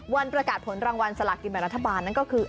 วันประกาศผลรางวัลสลากินแบบรัฐบาลนั่นก็คือ